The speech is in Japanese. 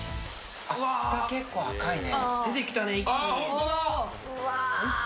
下、結構赤いね。